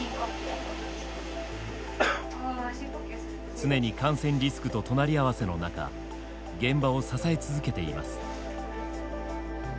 常に感染リスクと隣り合わせの中現場を支え続けています。